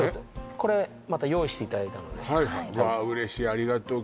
これまた用意していただいたのではいはいうわ嬉しいありがとう